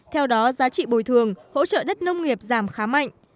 theo đó giá trị bồi thường hỗ trợ đất nông nghiệp giảm khá mạnh